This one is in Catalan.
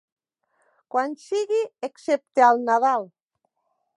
Quan sigui excepte al Nadal.